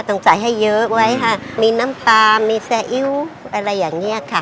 ต้องใส่ให้เยอะไว้ค่ะมีน้ำปลามีแซอิ๊วอะไรอย่างนี้ค่ะ